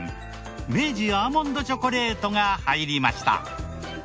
明治アーモンドチョコレートが入りました。